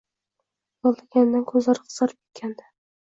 Yig`laganidan ko`zlari qizarib ketgandi